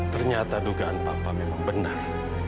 ternyata dugaan papa memang benar